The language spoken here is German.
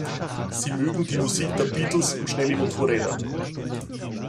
Sie mögen die Musik der Beatles und schnelle Motorräder.